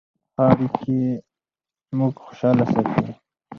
ښه اړیکې موږ خوشحاله ساتي.